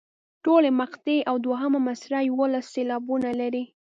ټولې مقطعې او دوهمه مصرع یوولس سېلابونه لري.